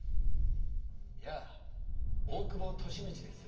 やあ大久保利通です。